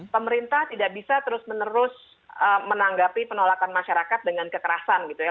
pemerintah tidak bisa terus menerus menanggapi penolakan masyarakat dengan kekerasan gitu ya